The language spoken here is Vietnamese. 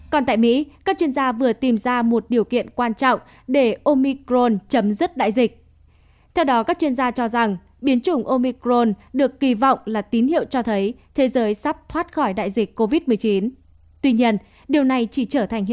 còn tại mỹ các chuyên gia vừa tìm ra một điều kiện quan trọng để omicron chấm dứt đại dịch